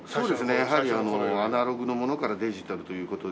やはりアナログのものからデジタルという事で。